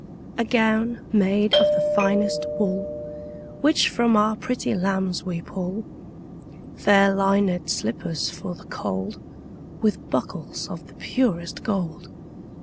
A gown made of the finest wool Which from our pretty lambs we pull; Fair linèd slippers for the cold, 15 With buckles of the purest gold.